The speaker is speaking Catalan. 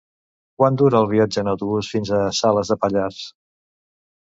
Quant dura el viatge en autobús fins a Salàs de Pallars?